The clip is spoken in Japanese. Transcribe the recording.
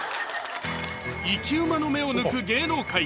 生き馬の目を抜く芸能界！